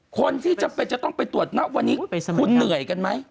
คนที่จำเป็นจะต้องไปตรวจณวันนี้คุณเหนื่อยกันไหม